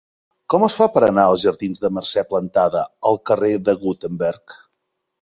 Com es fa per anar dels jardins de Mercè Plantada al carrer de Gutenberg?